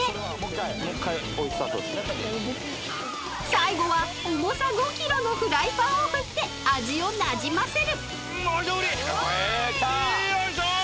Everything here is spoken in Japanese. ［最後は重さ５ｋｇのフライパンを振って味をなじませる］よいしょ！